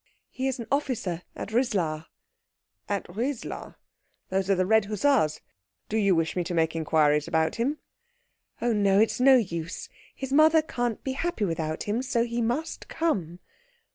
"He is an officer at Rislar." "At Rislar? Those are the red hussars. Do you wish me to make inquiries about him?" "Oh, no. It's no use. His mother can't be happy without him, so he must come."